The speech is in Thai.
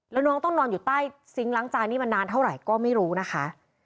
แล้วน้องต้องนอนอยู่ใต้ซิงค์ล้างจานนี่มานานเท่าไหร่ก็ไม่รู้นะคะ